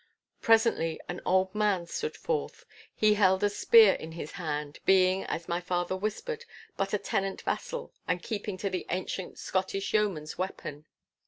Presently an old man stood forth. He held a spear in his hand, being, as my father whispered, but a tenant vassal and keeping to the ancient Scottish yeoman's weapon.